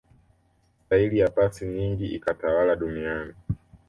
staili ya pasi nyingi ikatawala duniani